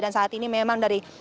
dan saat ini memang dari